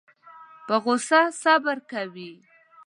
په غوسه صبر کوي.